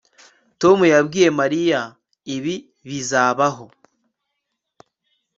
Tom yabwiye Mariya ibi bizabaho